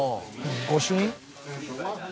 「御朱印？」